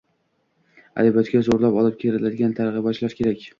Adabiyotga zo‘rlab olib kiradigan targ‘ibotchilar kerak.